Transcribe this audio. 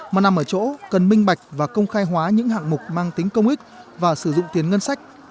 mà nằm ở chỗ cần minh bạch và công khai hóa những hạng mục mang tính công ích và sử dụng tiền ngân sách